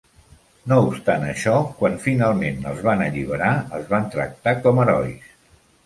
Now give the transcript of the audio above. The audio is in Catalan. No obstant això, quan finalment els van alliberar els van tractar com herois.